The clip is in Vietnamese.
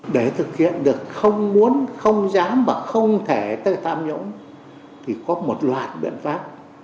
để thực hiện được không muốn không dám và không thể tham nhũng thì có một loạt biện pháp